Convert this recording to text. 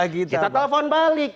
kita telepon balik